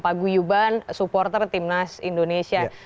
pak guyuban supporter timnas indonesia